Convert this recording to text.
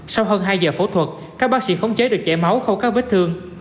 sau hơn hai giờ phẫu thuật các bác sĩ khống chế được chảy máu khâu các vết thương